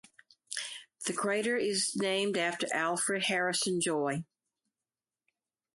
The crater is named after Alfred Harrison Joy.